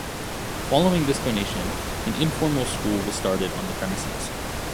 Following this donation an informal school was started on the premises.